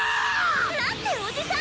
待っておじさん！